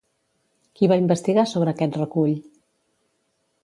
Qui va investigar sobre aquest recull?